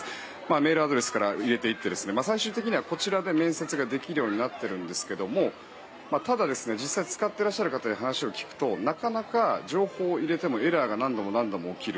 メールアドレスから入れていって最終的には面接ができるようになっているんですけれどもただ実際使っていらっしゃる方に話を聞くと情報を入れてもエラーが何度も起きる。